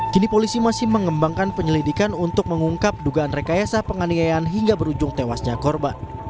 kini polisi masih mengembangkan penyelidikan untuk mengungkap dugaan rekayasa penganiayaan hingga berujung tewasnya korban